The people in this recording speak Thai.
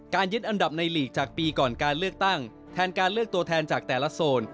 ยึดอันดับในหลีกจากปีก่อนการเลือกตั้งแทนการเลือกตัวแทนจากแต่ละโซน